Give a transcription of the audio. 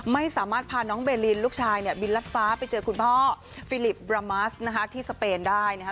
ไม่สามารถพาน้องเบลินลูกชายเนี่ยบินรัดฟ้าไปเจอคุณพ่อฟิลิปบรามัสนะคะที่สเปนได้นะคะ